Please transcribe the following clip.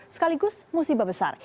sekaligus musibah besar